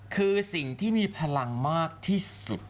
คือสิ่งที่มีพลังมากที่สุด